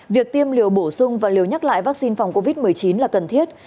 việc tiêm liều bổ sung và liều nhắc lại vaccine phòng covid một mươi chín là cần thiết